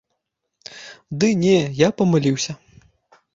Ды не, я памыліўся.